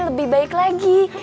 lebih baik lagi